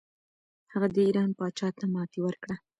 هغه د ایران پاچا ته ماتې ورکړه.